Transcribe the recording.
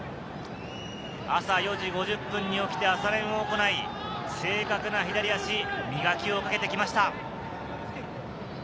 朝４時５０分に起きて朝練を行い、正確な左足、磨きをかけてきました。